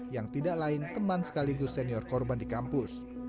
yang tidak lain teman sekaligus senior korban di kampus